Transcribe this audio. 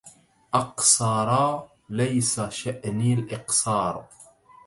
أقصرا ليس شأني الإقصار